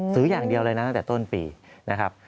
ซื้ออย่างเดียวเลยนะตั้งแต่ต้นปีนะครับ